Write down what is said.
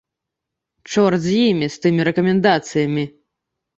Чорт з імі, з тымі рэкамендацыямі.